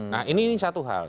nah ini satu hal